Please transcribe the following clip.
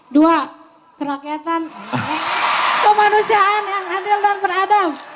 dua kerakyatan kemanusiaan yang adil dan beradab